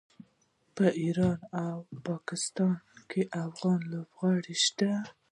په ایران او پاکستان کې افغان لوبغاړي شته.